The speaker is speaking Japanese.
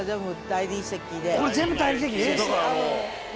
これ全部大理石？